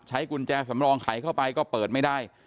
กุญแจสำรองไขเข้าไปก็เปิดไม่ได้